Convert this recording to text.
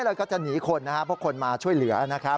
แล้วก็จะหนีคนนะครับเพราะคนมาช่วยเหลือนะครับ